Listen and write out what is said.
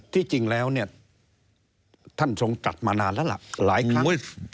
ที่จริงแล้วเนี่ยท่านทรงตัดมานานแล้วล่ะหลายครั้ง